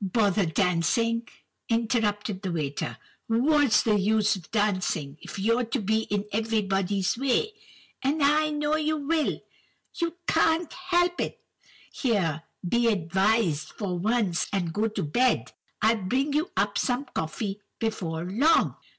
bother dancing,' interrupted the waiter. 'What's the use of dancing, if you're to be in everybody's way, and I know you will; you can't help it. Here, be advised for once, and go to bed. I'll bring you up some coffee before long.